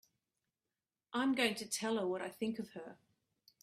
I'm going to tell her what I think of her!